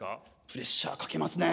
プレッシャーかけますね。